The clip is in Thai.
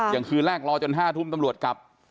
อย่างคืนแรกรอจน๕ทุ่มตำรวจกลับ